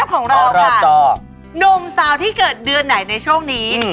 นี่ของเราสิงหาใช่ไหม